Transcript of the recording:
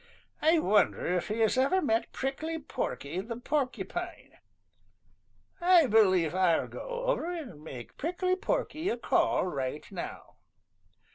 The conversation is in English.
I wonder if he has ever met Prickly Porky the Porcupine. I believe I'll go over and make Prickly Porky a call right now!"